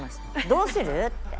どうする？って。